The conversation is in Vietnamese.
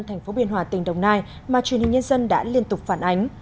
thành phố biên hòa tỉnh đồng nai mà truyền hình nhân dân đã liên tục phản ánh